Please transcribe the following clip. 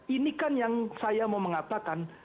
ini kan yang saya mau mengatakan